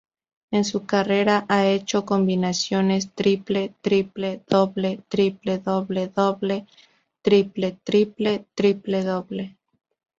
En su carrera ha hecho combinaciones triple-triple-doble, triple-doble-doble, triple-triple, triple-doble.